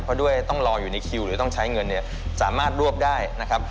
เพราะด้วยต้องรออยู่ในคิวหรือต้องใช้เงินเนี่ยสามารถรวบได้นะครับ